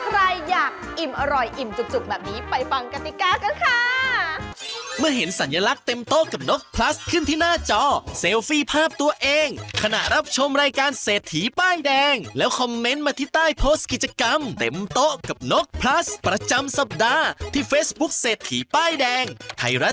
ใครอยากอิ่มอร่อยอิ่มจุกแบบนี้ไปฟังกติกากันค่ะ